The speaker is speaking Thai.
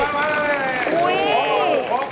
มาก